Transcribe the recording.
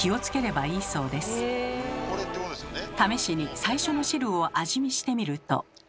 試しに最初の汁を味見してみると。